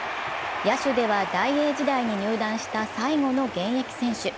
野手ではダイエー時代に入団した最後の現役選手。